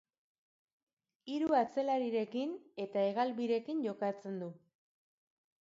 Hiru atzelarirekin eta hegal birekin jokatzen du.